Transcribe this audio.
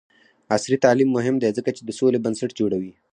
عصري تعلیم مهم دی ځکه چې د سولې بنسټ جوړوي.